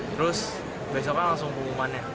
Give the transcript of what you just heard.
terus besoknya langsung pengumumannya